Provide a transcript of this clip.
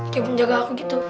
kayak penjaga aku gitu